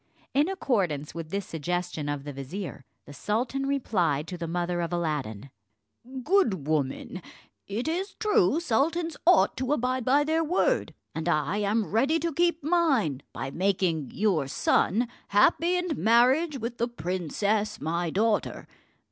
In accordance with this suggestion of the vizier, the sultan replied to the mother of Aladdin: "Good woman, it is true sultans ought to abide by their word, and I am ready to keep mine, by making your son happy in marriage with the princess my daughter.